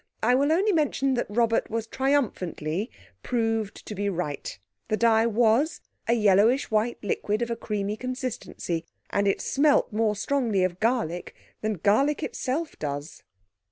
I will only mention that Robert was triumphantly proved to be right. The dye was a yellowish white liquid of a creamy consistency, and it smelt more strongly of garlic than garlic itself does.